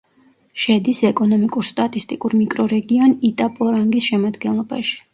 შედის ეკონომიკურ-სტატისტიკურ მიკრორეგიონ იტაპორანგის შემადგენლობაში.